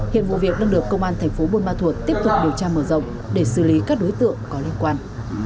hiện vụ việc đang được công an tp bôn ma thuột tiếp tục điều tra mở rộng để xử lý các đối tượng có liên quan